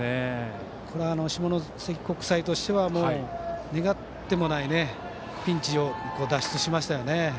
これは、下関国際としては願ってもないピンチを脱出しましたよね。